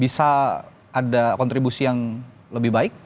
bisa ada kontribusi yang lebih baik